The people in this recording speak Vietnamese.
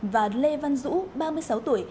và lê văn dũ ba mươi sáu tuổi